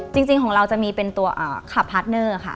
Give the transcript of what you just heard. จริงของเราจะมีเป็นตัวคลับพาร์ทเนอร์ค่ะ